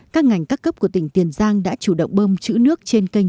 các ngành các cấp của tỉnh tiền giang đã chủ động bơm chữ nước trên kênh